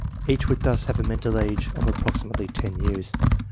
Each would thus have a mental age of approximately ten years.